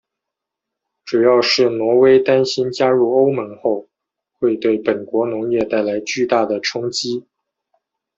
主要是挪威担心加入欧盟后会对本国农业带来巨大的冲击。